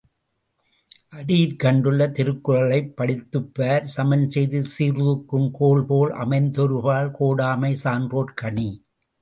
அடியிற் கண்டுள்ள திருக்குறள்களைப் படித்துப்பார் சமன்செய்து சீர்தூக்கும் கோல்போல் அமைந்தொருபால் கோடாமை சான்றோர்க் கணி.